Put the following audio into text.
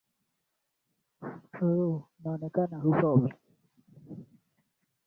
lemkin aliiandika insha kuhusu mauaji ya kimbari